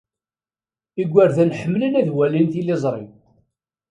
Igerdan ḥemmlen ad walin tiliẓri.